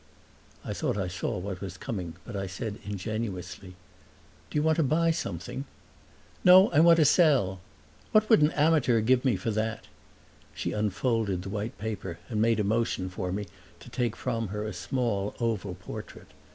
I thought I saw what was coming, but I said ingenuously, "Do you want to buy something?" "No, I want to sell. What would an amateur give me for that?" She unfolded the white paper and made a motion for me to take from her a small oval portrait.